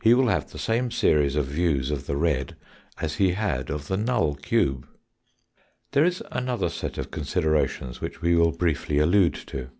y, wh X ite Null 3 4 have the same series of views of the red as he had of the null cube. There is another set of considerations which we will briefly allude to.